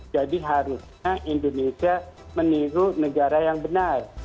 jadi harusnya indonesia meniru negara yang benar